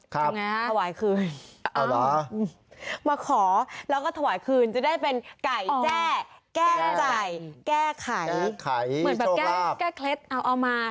ครับธวายคืนมาขอแล้วก็ธวายคืนจะได้เป็นไก่แจ้แก้ไขแก้เคล็ดเอามาดิฉันยอมแล้ว